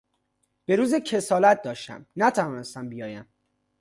بروز کسالت داشتم نتوانستم بیابم